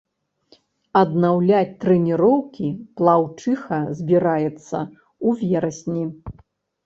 Аднаўляць трэніроўкі плыўчыха збіраецца ў верасні.